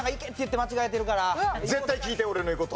絶対聞いて俺の言う事。